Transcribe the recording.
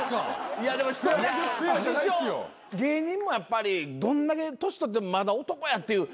師匠芸人もやっぱりどんだけ年取ってもまだ男やっていう夢あります逆に。